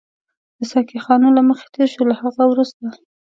د ساقي خانو له مخې تېر شوو، له هغه وروسته.